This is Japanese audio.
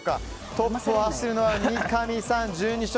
トップを走るのは三上さん、１２勝。